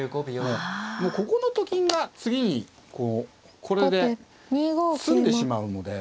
もうここのと金が次にこうこれで詰んでしまうので。